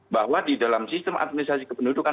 bahwa di dalam sistem administrasi kependudukan